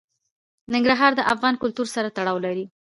ننګرهار د افغان کلتور سره تړاو لري.